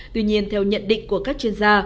tuy nhiên theo nhận định của các chuyên gia